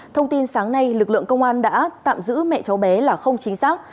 thông tin sáng nay lực lượng công an đã tạm giữ mẹ cháu bé là không chính xác